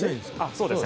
そうですね。